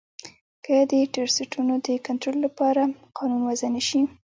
که د ټرسټونو د کنترول لپاره قانون وضعه نه شي